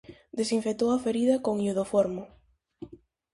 Desinfectou a ferida con iodoformo.